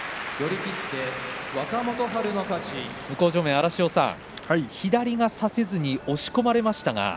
荒汐さん左が差せずに押し込まれましたね。